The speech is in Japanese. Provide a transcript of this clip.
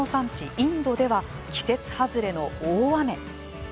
インドでは季節外れの大雨。